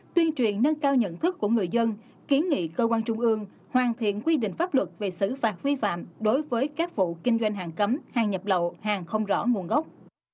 tuyên truyền nâng cao nhận thức của người dân kiến nghị cơ quan trung ương hoàn thiện quy định pháp luật về xử phạt vi phạm đối với các vụ kinh doanh hàng cấm hàng nhập lậu hàng không rõ nguồn gốc